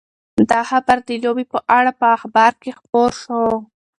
دا خبر د لوبې په اړه په اخبار کې خپور شو.